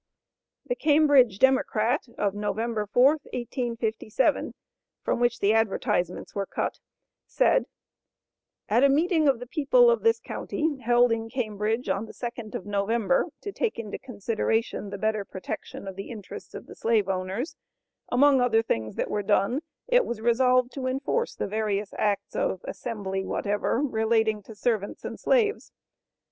The Cambridge Democrat, of Nov. 4, 1857, from which the advertisements were cut, said "At a meeting of the people of this county, held in Cambridge, on the 2d of November, to take into consideration the better protection of the interests of the slave owners; among other things that were done, it was resolved to enforce the various acts of Assembly relating to servants and slaves.